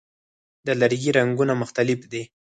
د لرګي رنګونه مختلف دي.